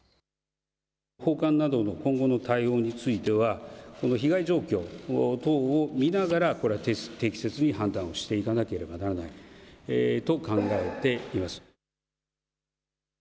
訪韓などの今後の対応についてはこの被害状況等を見ながらこれ適切に判断していかなければならないと考えています。